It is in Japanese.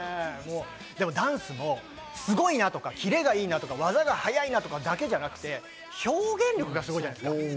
ダンスもすごいなとか、キレがいいなとか技が早いな、だけじゃなくて表現力がすごいじゃないですか。